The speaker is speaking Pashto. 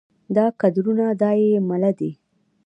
دا کدرونه دا يې مله دي